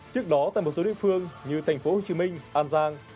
trước đó tại một số địa phương như thành phố hồ chí minh an giang